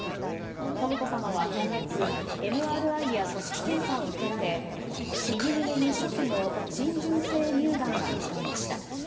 信子さまは今月ＭＲＩや組織検査を受けられ右胸に、初期の浸潤性乳がんが見つかりました。